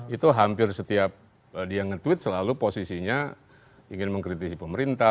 itu hampir setiap dia nge tweet selalu posisinya ingin mengkritisi pemerintah